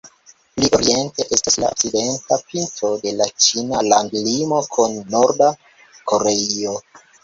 Pli oriente estas la okcidenta pinto de la ĉina landlimo kun Norda Koreio.